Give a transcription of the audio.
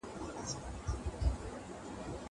زه اوس پاکوالي ساتم.